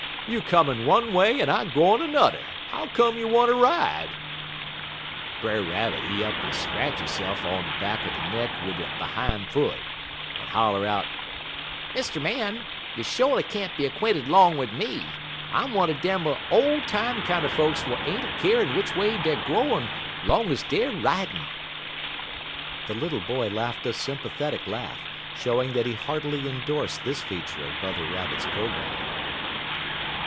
You comin' one way en I gwine nudder; how come you wanter ride?' "Brer Rabbit, he up'n scratch hisse'f on de back er de neck wid he behime foot, en holler out: "'Mr. Man, yo' sho'ly can't be 'quainted 'long wid me. I'm one er dem ar ole time kinder folks w'at ain't a keerin' w'ich way deyer gwine long ez deyer ridin'.'" The little boy laughed a sympathetic laugh, showing that he heartily endorsed this feature of Brother Rabbit's programme.